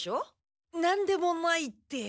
なんでもないって。